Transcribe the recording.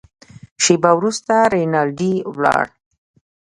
شېبه وروسته رینالډي ولاړ.